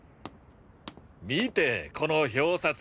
見てこの表札。